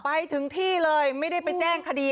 ไปถึงที่เลยไม่ได้ไปแจ้งคดี